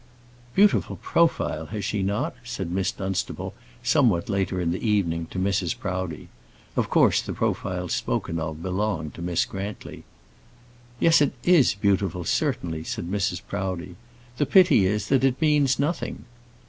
"Beautiful profile, has she not?" said Miss Dunstable, somewhat later in the evening, to Mrs. Proudie. Of course, the profile spoken of belonged to Miss Grantly. "Yes, it is beautiful, certainly," said Mrs. Proudie. "The pity is that it means nothing."